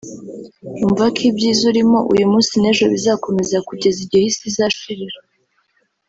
wumva ko ibyiza urimo uyu munsi n’ejo bizakomeza kugeza igihe Isi izashirira